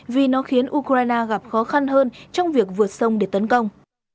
vì nó khiến ukraine gặp khó khăn hơn trong việc vượt sông để tấn công